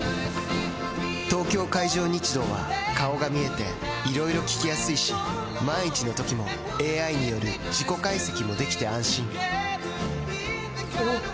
東京海上日動は顔が見えていろいろ聞きやすいし万一のときもＡＩによる事故解析もできて安心おぉ！